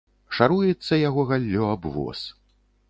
Шаруецца яго галлё аб воз.